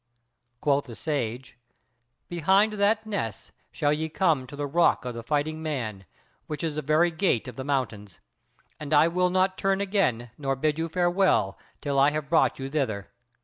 Quoth the Sage: "Behind that ness shall ye come to the Rock of the Fighting Man, which is the very Gate of the Mountains; and I will not turn again nor bid you farewell till I have brought you thither.